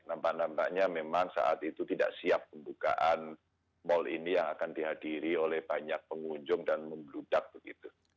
nampak nampaknya memang saat itu tidak siap pembukaan mal ini yang akan dihadiri oleh banyak pengunjung dan membludak begitu